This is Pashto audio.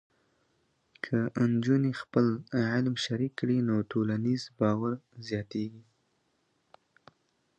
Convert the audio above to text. که نجونې خپل علم شریک کړي، نو ټولنیز باور زیاتېږي.